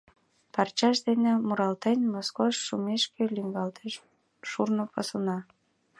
Парчаж дене муралтен, Москош шумешке лӱҥгалтеш шурно пасуна.